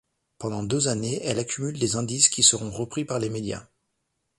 Pendant deux années elle accumule des indices qui seront repris par les médias.